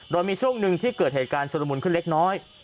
โดยมีช่วงหนึ่งที่เกิดเหตุการณ์ชุดละมุนขึ้นเล็กน้อย